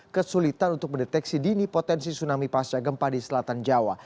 kesulitan untuk mendeteksi dini potensi tsunami pasca gempa di selatan jawa